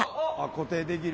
固定できる。